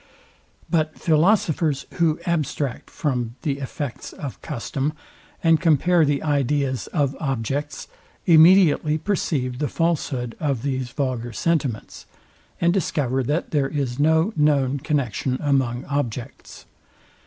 But philosophers, who abstract from the effects of custom, and compare the ideas of objects, immediately perceive the falshood of these vulgar sentiments, and discover that there is no known connexion among objects.